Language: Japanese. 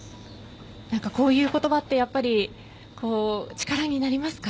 こういう言葉ってやっぱり力になりますか？